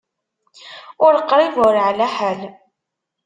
Ur qrib, ur ɛla ḥal.